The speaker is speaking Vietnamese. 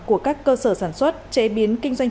của các cơ sở sản xuất chế biến kinh doanh